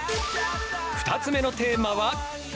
２つ目のテーマは。